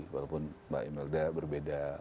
walaupun mbak imelda berbeda